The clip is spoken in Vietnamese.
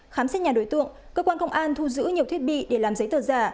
khám xét nhà đối tượng cơ quan công an thu giữ nhiều thiết bị để làm giấy tờ giả